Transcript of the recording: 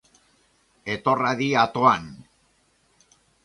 Etor hadi atoan!